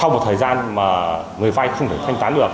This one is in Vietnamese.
sau một thời gian mà người vay không thể thanh tán được